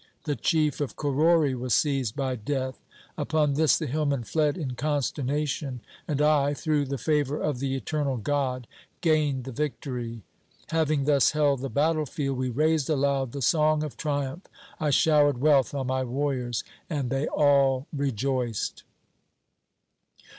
The chief of Korori was seized by death. Upon this the hillmen fled in consternation and I, through the favour of the eternal God, gained the victory. Having thus held the battle field, we raised aloud the song of triumph. I showered wealth on my warriors and they all rejoiced.